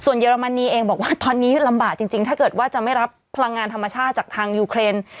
เยอรมนีเองบอกว่าตอนนี้ลำบากจริงถ้าเกิดว่าจะไม่รับพลังงานธรรมชาติจากทางยูเครน